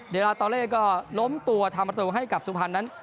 เดี๋ยวลาตาเลก็ล้มตัวทำประตูให้กับสุภัณฑ์นั้น